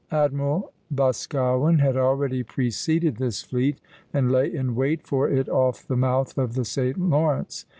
Admiral Boscawen had already preceded this fleet, and lay in wait for it off the mouth of the St. Lawrence.